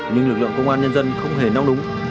nhưng lực lượng công an nhân dân không hề nong đúng